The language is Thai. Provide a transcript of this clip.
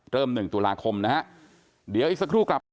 เติมหนึ่งตุลาคมนะฮะเดี๋ยวอีกสักครู่กลับ